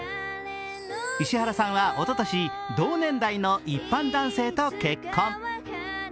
石原さんは、おととし同年代の一般男性と結婚。